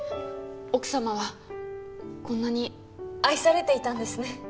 奥様はこんなに愛されていたんですね。